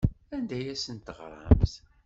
Anda ay asen-teɣramt?